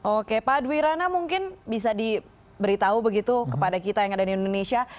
oke pak dwirana mungkin bisa diberitahu begitu kepada kita yang ada di indonesia